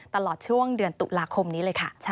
ตลอดช่วงเดือนตุลาคมนี้เลยค่ะ